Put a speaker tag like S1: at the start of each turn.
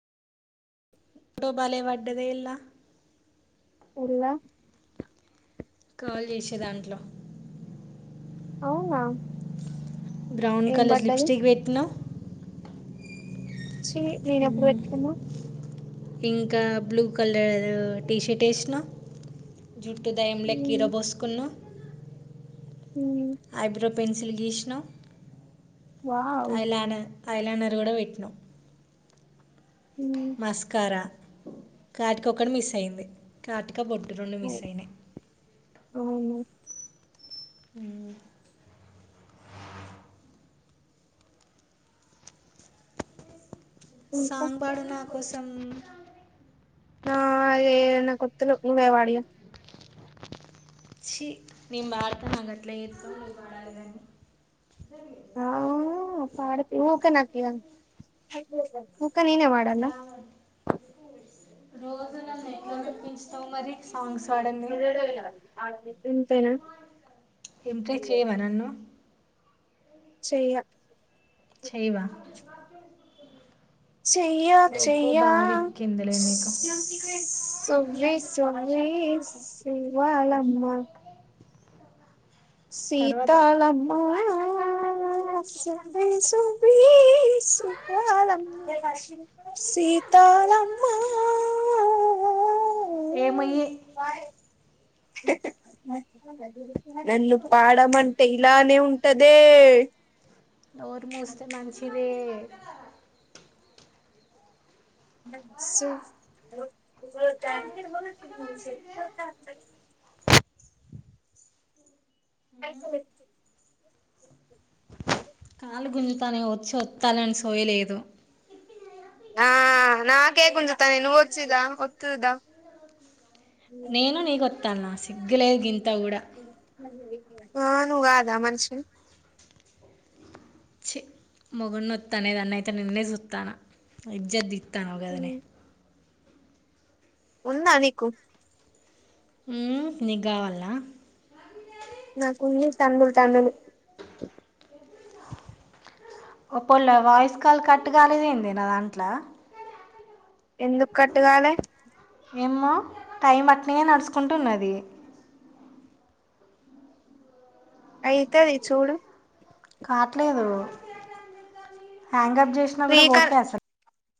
S1: అటో బాలే వడ్డది ఇలా
S2: ఎలా
S1: కాల్ చేసే దాంట్లో
S2: అవునా
S1: బ్రౌన్
S2: ఏం
S1: కలర్
S2: పడ్డది
S1: లిప్స్టిక్ పెట్టినా
S2: స నేను ఎప్పుడు వచ్చను
S1: ఇంకా బ్లూ కలర్ టీషర్ట్ వేసినా జుట్టు దయం లెక్క ఇరా
S2: మ్మ్
S1: పోసుకున్నా
S2: మ్మ్
S1: ఐబ్రో పెన్సిల్గీష్ణ
S2: వా అవు
S1: ఐ లైనర్ కూడా పెట్నా
S2: మ్మ్
S1: మస్కార కాటికొక్కటి మిస్ అయింది కాటి ఇంకా బొట్టు రెండు మిస్
S2: అయ్
S1: అయినాయి
S2: అవును
S1: ఆ
S2: ఇంకా
S1: సాంగ్ బాడు నా కోసం
S2: నా ఏన్న కొతులు ఉే వాడి
S1: ి నిార్త నా గట్లే ఇ
S2: ఆ పాడ ఊక నాక అక్క నేనే పడాలనా
S1: రావండి రోజు ననిపిించస్తాం మరి స సాంగ్స్ పాడంది
S2: ఇంతేనా
S1: ఇంప్రెస్ చేయవా నన్ను
S2: చెయ్య
S1: చేయవా మా
S2: చెయ్య చెయ్య
S1: ఎక్కిందిలే నీకు
S2: సువ్వి సువ్వి సువ్వలమ్మ
S1: తర్వాత
S2: సీతాలమ్మా ఆ సువ్వీ సువ్వీ సీతాలమ్మ సీతాలమ్మా ఆ
S1: ఏమయ్యి
S2: నన్ను పాడమంటే ఇలానే ఉంటదే.
S1: నోరు మూస్తే మంచిదే. ఆ
S2: సు [unintelligible] ఆ
S1: కాళ్ళు గుంజుతానై వచ్చి వత్తాలని సోయిలేదు.
S2: ఆ నాకే గుంజుతానై నువ్వచ్చిదా ఒత్తుదు దా.
S1: నేను నీ కొత్త్ త్తాల్నా సిగ్గు లేద్ గింత్
S2: మంచి ఆ నువ్ గాదా మనిషివి.
S1: మొగడ్ నొత్తానై అనే దాన్నైతే నిన్నే చూత్తానా. ఇజ్జత్ తీ తీనావ్ గదనే
S2: ఉందా నీకు
S1: ఊ నీకు గావాల్నా.
S2: నాక్ ఓన్లీ తముళ్ తమిళ
S1: ఓప్పొళ్ళా వాయిస్ కాల్ కట్గాలేందే నా దాంట్లా.
S2: ఎందుక్ కట్గాలే
S1: ఏమో టైం అట్నే నడుచుకుంటున్నదీ.
S2: అయితది చూడు.
S1: హాంగర్ జేశినా గూడా
S2: రీకా
S1: పోట్లే అసల్.